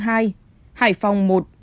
hải phòng một